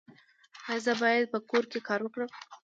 ایا زه باید په کور کې کار وکړم؟